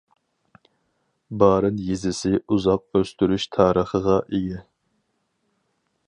بارىن يېزىسى ئۇزاق ئۆستۈرۈش تارىخىغا ئىگە.